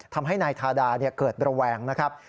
ทำให้นายทาดาเกิดระแวงนะครับ